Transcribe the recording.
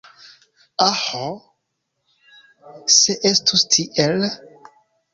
Aĥ, se estus tiel!